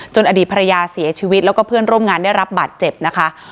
อดีตภรรยาเสียชีวิตแล้วก็เพื่อนร่วมงานได้รับบาดเจ็บนะคะ